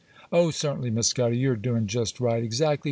'Oh, certainly, Miss Scudder, you're doing just right, exactly.